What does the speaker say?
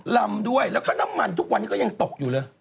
ลำด้วยแล้วก็น้ำมันทุกวันนี้ก็ยังตกอยู่เลย